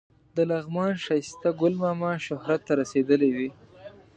د لغمان ښایسته ګل ماما شهرت ته رسېدلی دی.